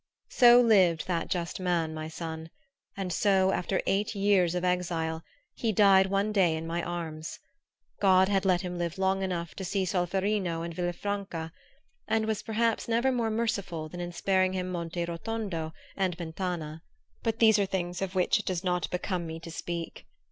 So lived that just man, my son; and so, after eight years of exile, he died one day in my arms. God had let him live long enough to see Solferino and Villa franca; and was perhaps never more merciful than in sparing him Monte Rotondo and Mentana. But these are things of which it does not become me to speak.